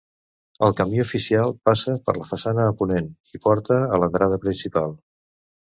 El camí oficial passa per la façana a ponent i porta a l'entrada principal.